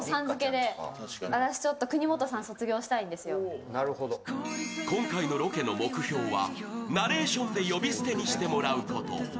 おお今回のロケの目標はナレーションで呼び捨てにしてもらうこと。